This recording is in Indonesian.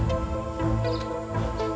sampai jumpa ndang